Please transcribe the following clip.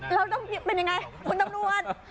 แล้วต้องเป็นอย่างไรคุณตำรวจ